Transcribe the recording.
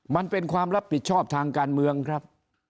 มันเป็นความรับผิดชอบทางการเมืองครับ